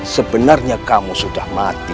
sebenarnya kamu sudah mati